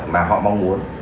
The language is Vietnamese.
mà họ mong muốn